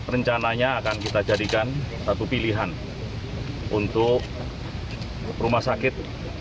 rencananya akan kita jadikan satu pilihan untuk rumah sakit